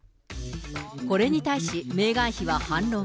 これに対し、メーガン妃は反論。